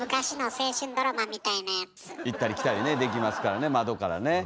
行ったり来たりねできますからね窓からね。